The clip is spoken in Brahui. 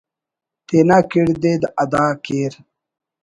تینا کڑدءِ ادا کیر